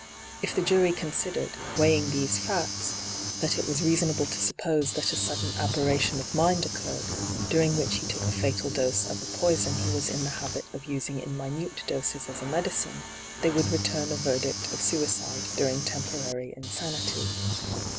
If the jury considered, weighing these facts, that it was reasonable to suppose that a sudden aberration of mind occurred, during which he took a fatal dose of a poison he was in the habit of using in minute doses as a medicine, they would return a verdict of suicide during temporary insanity.